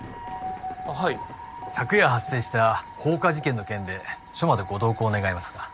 あはい昨夜発生した放火事件の件で署までご同行願えますか？